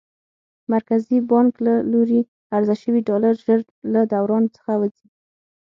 مرکزي بانک له لوري عرضه شوي ډالر ژر له دوران څخه وځي.